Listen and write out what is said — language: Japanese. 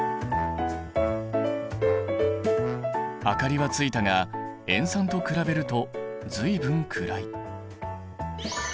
明かりはついたが塩酸と比べると随分暗い。